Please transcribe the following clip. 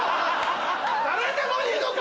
誰でもいいのか！